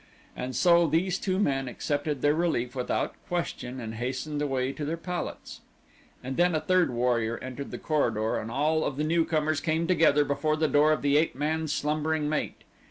And so these two men accepted their relief without question and hastened away to their pallets. And then a third warrior entered the corridor and all of the newcomers came together before the door of the ape man's slumbering mate.